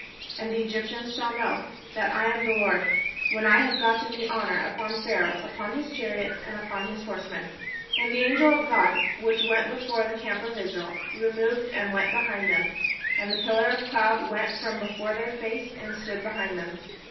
And the Egj'ptians shall know that I am the Lord, when I have gotten me honour upon Pharaoh, upon his chariots, and upon his horsemen." And the angel of God, which went before the camp of Israel, removed and went behind them ; and the pillar of the cloud went from before their face, and stood behind them.